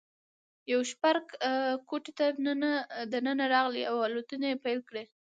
یو شوپرک کوټې ته دننه راغلی او الوتنې یې پیل کړې.